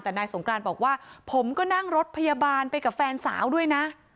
แต่นายสงกรานบอกว่าผมก็นั่งรถพยาบาลไปกับแฟนสาวด้วยนะ